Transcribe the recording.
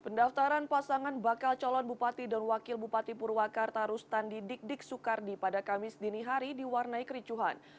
pendaftaran pasangan bakal calon bupati dan wakil bupati purwakarta rustandi dik dik soekardi pada kamis dini hari diwarnai kericuhan